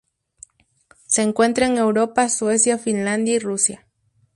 Se encuentra en Europa: Suecia, Finlandia y Rusia.